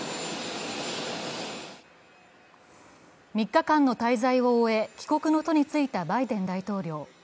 ３日間の滞在を終え帰国の途についたバイデン大統領。